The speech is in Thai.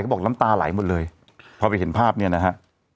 บอกน้ำตาไหลหมดเลยพอไปเห็นภาพเนี่ยนะฮะ